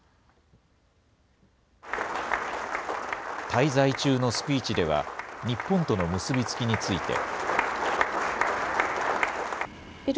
滞在中のスピーチでは、日本との結び付きについて。